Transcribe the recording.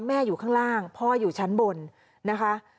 อยู่ข้างล่างพ่ออยู่ชั้นบนนะคะ